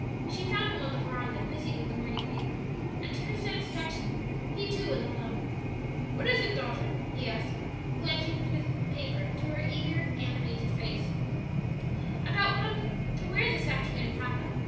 She found him on the veranda, busied with the morning paper, and to her satisfaction, he too was alone. "What is it, daughter?" he asked, glancing from his paper to her animated, eager face. "About what I am to wear this afternoon, papa.